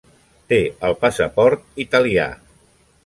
Té el passaport italià.